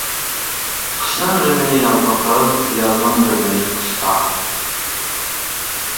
قىشنىڭ غېمىنى يازدا قىل، يازنىڭ غېمىنى قىشتا.